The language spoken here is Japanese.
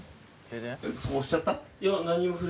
そこ押しちゃった？